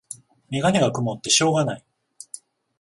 メガネがくもってしょうがない